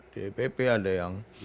dpp ada yang